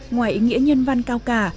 ngoài ý nghĩa nhân văn cao cả